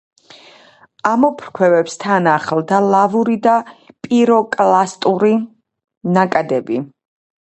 ამოფრქვევებს თან ახლდა ლავური და პიროკლასტური ნაკადები.